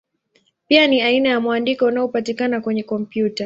Pia ni aina ya mwandiko unaopatikana kwenye kompyuta.